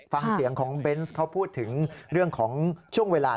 ฟังเสียงของเบนส์เขาพูดถึงเรื่องของช่วงเวลา